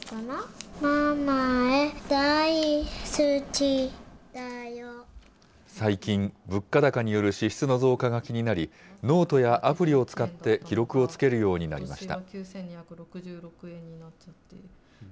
ママへ、最近、物価高による支出の増加が気になり、ノートやアプリを使って記録をつけるようになりました。